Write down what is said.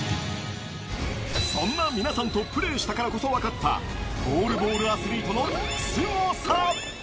そんな皆さんとプレーしたからこそ分かった、ゴールボールアスリートのすごさ。